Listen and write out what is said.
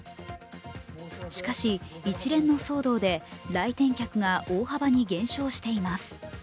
しかし、一連の騒動で来店客が大幅に減少しています。